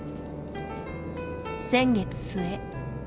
先月末。